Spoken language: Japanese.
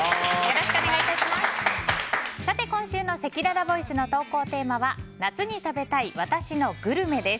今週のせきららボイスの投稿テーマは夏に食べたい私のグルメです。